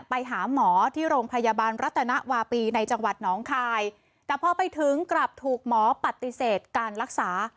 ไปหาหมอที่โรงพยาบาลรัตนวาปีในจังหวัดน้องคายแต่พอไปถึงกลับถูกหมอปฏิเสธการรักษา